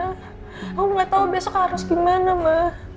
aku gak tahu besok harus gimana ma